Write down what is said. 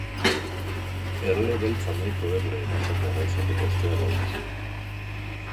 Erle beltza nahiko erle erasokorra izateko ospea dauka.